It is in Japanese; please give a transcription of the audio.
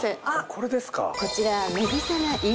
これですか？